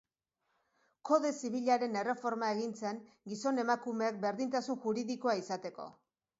Kode Zibilaren erreforma egin zen gizon-emakumeek berdintasun juridikoa izateko.